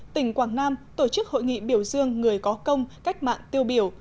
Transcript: tỉnh quảng nam tổ chức hội nghị biểu dương người có công cách mạng tiêu biểu